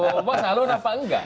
bapak sehaluan apa enggak